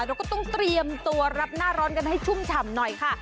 เราก็ต้องเตรียมตัวรับหน้าร้อนกันให้ชุ่มฉ่ำหน่อยค่ะ